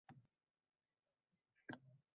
Nahotki, nahotki endi shu ahvolda yashasa?!